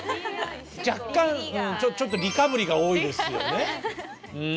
若干ちょっと「り」かぶりが多いですよね。